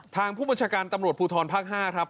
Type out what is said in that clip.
ทางผู้บัญชาการตำรวจภูทรภาค๕ครับ